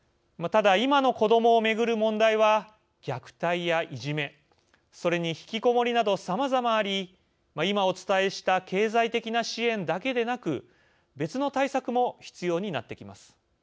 ただ、今の子どもを巡る問題は虐待や、いじめそれに引きこもりなどさまざまあり今、お伝えした経済的な支援だけでなく別の対策も必要になってきます。